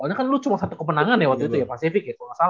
waktu itu kan lo cuma satu kemenangan ya waktu itu ya pasifik ya